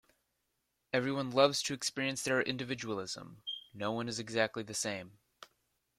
Everyone loves to experience their individualism. No one is exactly the same.